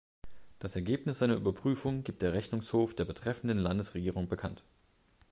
Das Ergebnis seiner Überprüfung gibt der Rechnungshof der betreffenden Landesregierung bekannt.